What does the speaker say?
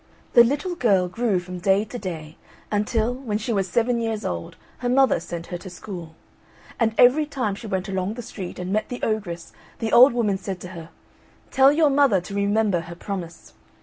The little girl grew from day to day until, when she was seven years old, her mother sent her to school, and every time she went along the street and met the ogress the old woman said to her, "Tell your mother to remember her promise."